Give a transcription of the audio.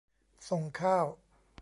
ส่งข้าว